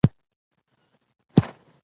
زه د خپلې ژبې د سمون هڅه کوم